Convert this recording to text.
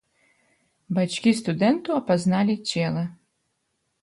Бацькі студэнта апазналі цела.